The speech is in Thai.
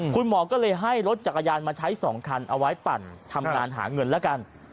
คุณหมอก็เลยให้รถจักรยานมาใช้๒คันเอาไว้ปั่นทำงานหาเงินแล้วกัน